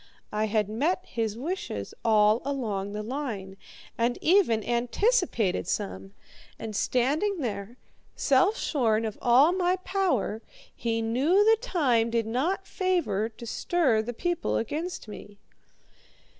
I had met his wishes all along the line, and even anticipated some; and standing there, self shorn of all my power, he knew the time did not favour to stir the people against me.